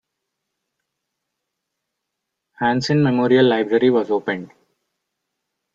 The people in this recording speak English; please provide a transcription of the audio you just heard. Hansen Memorial Library was opened.